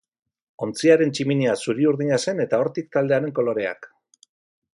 Ontziaren tximinia zuri-urdina zen eta hortik taldearen koloreak.